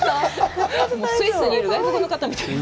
スイスにいる外国の方みたい。